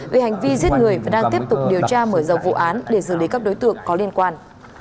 vì hành vi giết người và đang tiếp tục điều tra mở rộng vụ án để giữ lấy các đối tượng có liên quan